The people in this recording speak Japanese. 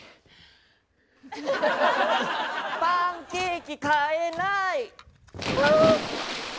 「パンケーキ買えない」